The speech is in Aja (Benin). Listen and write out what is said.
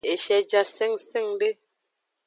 Eshie ja sengsengde.